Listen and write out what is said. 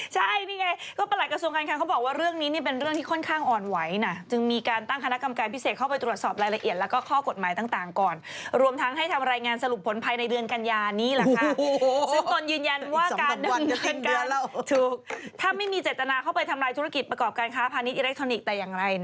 ใช่นี่ไงก็ประหลักกระทรวงการคังเขาบอกว่าเรื่องนี้นี่เป็นเรื่องที่ค่อนข้างอ่อนไหวนะจึงมีการตั้งคณะกรรมการพิเศษเข้าไปตรวจสอบรายละเอียดแล้วก็ข้อกฎหมายต่างก่อนรวมทั้งให้ทำรายงานสรุปผลภายในเดือนกัญญานี้แหละค่ะซึ่งตนยืนยันว่าการดำเนินการถ้าไม่มีเจตนาเข้าไปทำลายธุรกิจประกอบการค้าพาณิชอิเล็กทรอนิกส์แต่อย่างไร